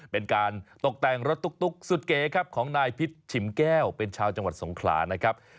เป็นการตกแต่งรถตุ๊กสุดเก๋ครับของนายพิษฉิมแก้วเป็นชาวจังหวัดสงขลานะครับ